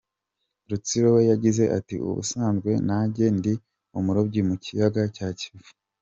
Rutsiro we yagize ati :” ubusanzwe nanjye ndi umurobyi mu kiyaga cya Kivu.